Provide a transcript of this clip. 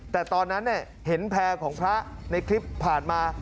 แต่ตอนนั้นเห็นแพร่ของพระในคลิปผ่านมา